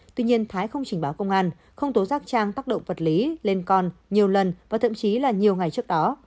tuy nhiên thái không trình báo công an không tố giác trang tác động vật lý lên con nhiều lần và thậm chí là nhiều ngày trước đó